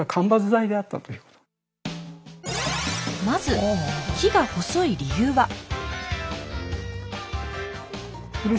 まず木が細い理由は？